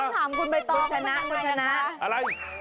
ต้องถามคุณไปต่อค่ะนะคุณชนะคุณชนะอะไร